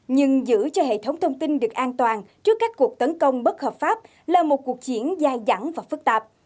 nhưng giữ cho hệ thống thông tin được an toàn trước các cuộc tấn công bất hợp pháp là một cuộc chiến dài dẳng và phức tạp